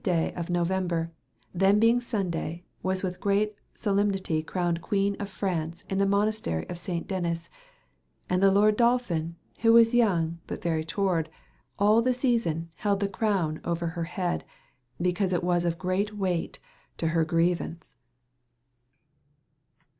daye of Noueber, then beying Sondaye was with greate solempnitee crowned Queen of Fraunce in the monasterye of Saynct Denyce, and the Lorde Dolphyn, who was young, but very toward, al the season held the crowune ouer her hed, because it was of greate waight, to her greuaunce.